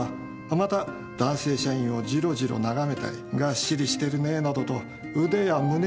また男性社員をじろじろ眺めたり「がっしりしてるね」などと腕や胸を触ることも多々あった。